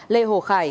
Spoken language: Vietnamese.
lê hồ khải